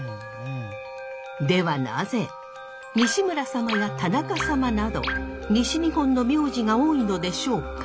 ではなぜ西村様や田中様など西日本の名字が多いのでしょうか。